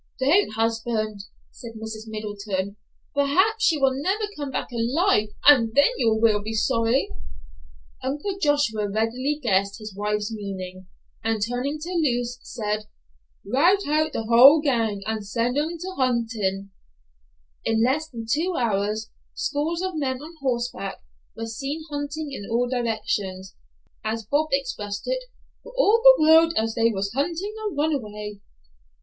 '" "Don't, husband," said Mrs. Middleton; "perhaps she will never come back alive, and then you will be sorry." Uncle Joshua readily guessed his wife's meaning, and turning to Luce, said, "Rout out the whole gang and set 'em to huntin'." In less than two hours scores of men on horseback were seen hunting in all directions, looking, as Bob expressed it, "for all the world like they was huntin' a runaway."